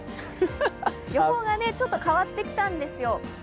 予報がちょっと変わってきたんですよ。